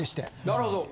なるほど。